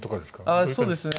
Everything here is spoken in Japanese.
あそうですね。